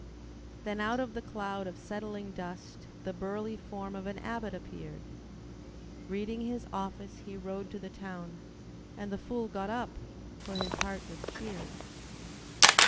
Then out of the cloud of settling dust The burly form of an abbot appeared, Reading his office he rode to the town. And the fool got up, for his heart was cheered.